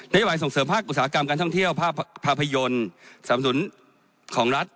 โยบายส่งเสริมภาคอุตสาหกรรมการท่องเที่ยวภาพยนตร์สำนุนของรัฐ